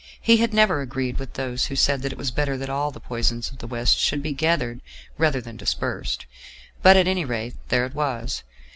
He had never agreed with those who said that it was better that all the poison of the West should be gathered rather than dispersed. But, at any rate, there it was.